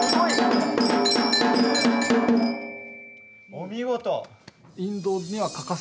お見事。